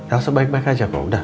elsa baik baik aja kok